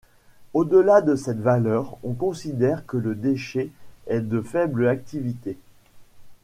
Au-delà de cette valeur, on considère que le déchet est de faible activité.